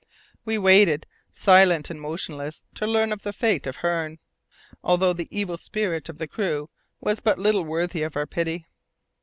We waited silent and motionless to learn the fate of Hearne, although the evil spirit of the crew was but little worthy of our pity.